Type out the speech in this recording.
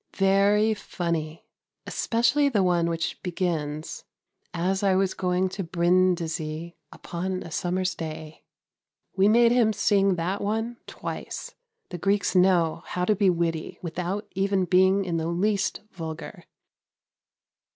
Very funny, especially the one which begins: "As I was going to Brindisi, upon a summer's day." We made him sing that one twice. The Greeks know how to be witty without even being in the least vulgar.